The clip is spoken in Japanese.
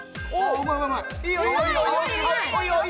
うまいうまい！